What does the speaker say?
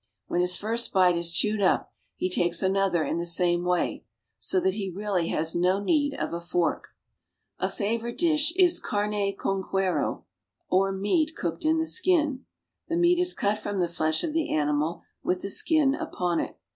When his first bite is chewed up he takes another in the same way, so that he really has no need of a fork. A favorite dish is carne concuero (carina con kwa'ro), or meat cooked in the skin. The meat is cut from the flesh of the animal, with the skin upon it.